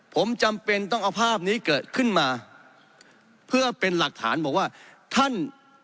ผมจำเป็นต้องเอาภาพนี้เกิดขึ้นมาเพื่อเป็นหลักฐานบอกว่าท่าน